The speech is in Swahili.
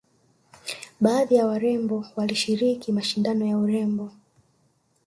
baadhi ya warembo walishiriki mashindano ya urembo